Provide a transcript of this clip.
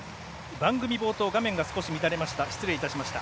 番組冒頭画面が少し乱れました。